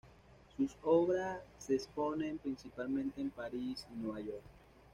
Sus obras se exponen principalmente en París y Nueva York.